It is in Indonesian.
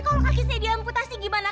kalau kaki saya diamputasi gimana